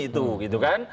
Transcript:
itu gitu kan